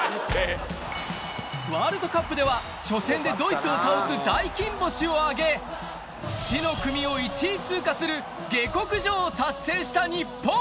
ワールドカップでは、初戦でドイツを倒す大金星を挙げ、死の組を１位通過する下克上を達成した日本。